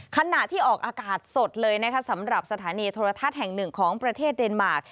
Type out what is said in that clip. ขณะที่ออกอากาศสดเลยนะคะสำหรับสถานีโทรทัศน์แห่งหนึ่งของประเทศเดนมาร์ค